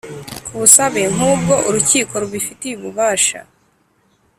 Ku busabe nk ubwo urukiko rubifitiye ububasha